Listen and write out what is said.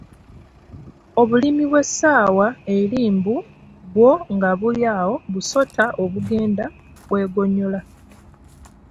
Obulimi bw’essaawa eri mbu bwo nga buli awo busota obugenda bwegonyola!